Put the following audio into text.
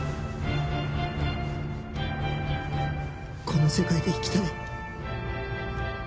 この世界で生きたい